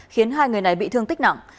khiến hai người này bị thương tích nặng